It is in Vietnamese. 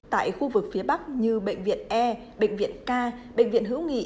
tại khu vực phía bắc như bệnh viện e bệnh viện ca bệnh viện hữu nghị